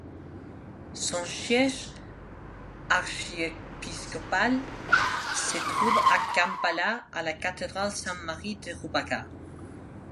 Son siège archiépiscopal se trouve à Kampala à la cathédrale Sainte-Marie de Rubaga.